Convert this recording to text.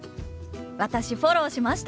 私フォローしました。